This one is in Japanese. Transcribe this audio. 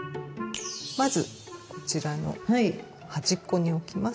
まずこちらの端っこに置きます。